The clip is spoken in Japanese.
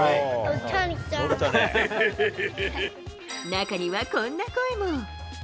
中にはこんな声も。